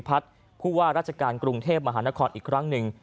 ผู้ว่าราชการกรุงเทพมหานครอีกครั้งหนึ่ง